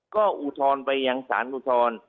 ก็อุทรไปยังสารอุทร